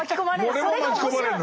俺も巻き込まれるの？